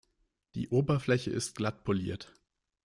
Die Oberfläche ist glatt poliert.